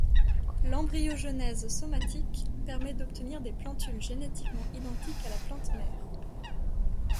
L'embryogenèse somatique permet d'obtenir des plantules génétiquement identiques à la plante mère.